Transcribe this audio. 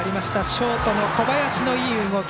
ショートの小林のいい動き。